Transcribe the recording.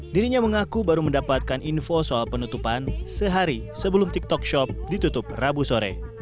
dirinya mengaku baru mendapatkan info soal penutupan sehari sebelum tiktok shop ditutup rabu sore